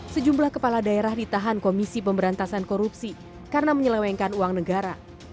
sejumlah kepala daerah ditahan komisi pemberantasan korupsi karena menyelewengkan uang negara